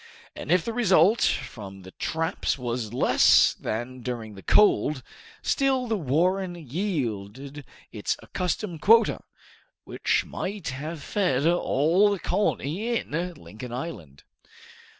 and if the result from the traps was less than during the cold, still the warren yielded its accustomed quota, which might have fed all the colony in Lincoln Island.